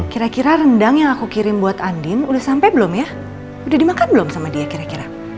kira kira rendang yang aku kirim buat andin udah sampai belum ya udah dimakan belum sama dia kira kira